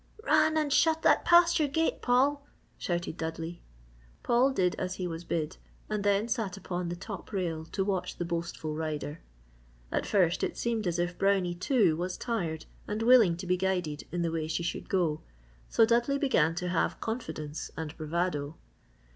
"Run and shut that pasture gate, Paul!" shouted Dudley. Paul did as he was bid and then sat upon the top rail to watch the boastful rider. At first it seemed as if Brownie, too, was tired and willing to be guided in the way she should go, so Dudley began to have confidence and bravado.